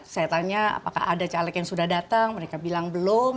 saya tanya apakah ada caleg yang sudah datang mereka bilang belum